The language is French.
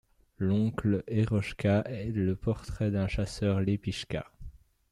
L'oncle Erochka est le portrait d'un chasseur Iépichka.